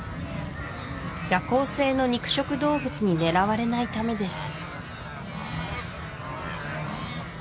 夜行性の肉食動物に狙われないためです